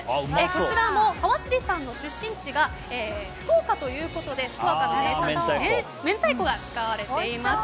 こちらも川尻さんの出身地が福岡ということで福岡の名産地明太子が使われています。